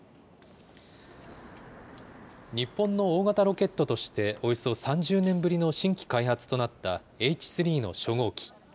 日本の大型ロケットとして、およそ３０年ぶりの新規開発となったＨ３の初号機。